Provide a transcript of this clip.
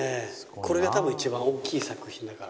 これが多分一番大きい作品だから。